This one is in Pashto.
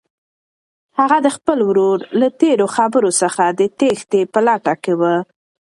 هغه د خپل ورور له تېرو خبرو څخه د تېښتې په لټه کې وه.